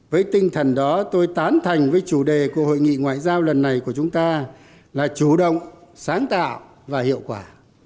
với tinh thần đó tôi tán thành với chủ đề của hội nghị ngoại giao lần này của chúng ta là chủ động sáng tạo và hiệu quả